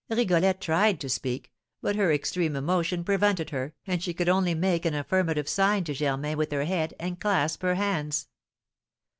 Rigolette tried to speak, but her extreme emotion prevented her, and she could only make an affirmative sign to Germain with her head, and clasp her hands.